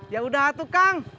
yaudah tuh kang